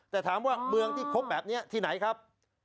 แต่ถามว่าเมืองที่คบแบบนี้ที่ไหนครับ